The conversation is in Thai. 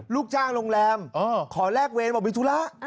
ลูกจ้างโรงแรมขอแลกเวรบอกมีธุระ